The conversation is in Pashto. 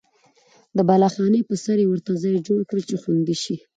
د بالاخانې په سر یې ورته ځای جوړ کړل چې خوندي شي.